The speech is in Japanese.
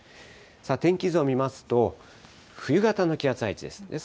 天気図を見ますと、冬型の気圧配置です。